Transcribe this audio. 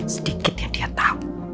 sedikit yang dia tau